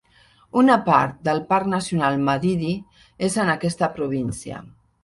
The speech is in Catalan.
Una part del Parc Nacional Madidi és en aquesta província.